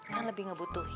kan lebih ngebutuhin